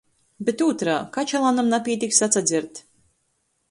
Bet ūtrā — kačalānam napītiks atsadzert.